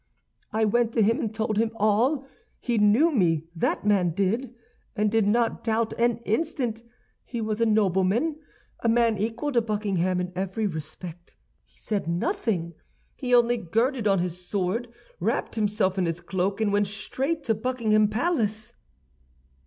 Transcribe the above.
I went to him and told him all; he knew me, that man did, and did not doubt an instant. He was a nobleman, a man equal to Buckingham in every respect. He said nothing; he only girded on his sword, wrapped himself in his cloak, and went straight to Buckingham Palace.